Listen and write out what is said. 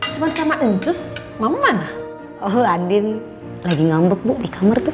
cuma sama enjus mama oh adin lagi ngambek bu di kamar